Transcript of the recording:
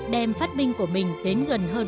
đem phát minh của mình đến gần hơn